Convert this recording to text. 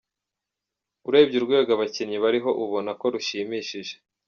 Urebye urwego abakinnyi bariho ubona ko rushimishije.